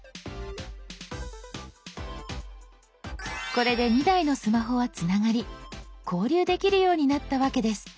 これで２台のスマホはつながり交流できるようになったわけです。